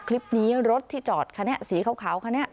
คลิปนี้รถที่จอดฮะเนี้ยสีคาวฮะเนี้ย